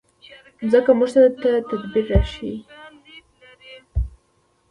مځکه موږ ته تدبر راښيي.